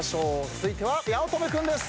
続いては八乙女君です。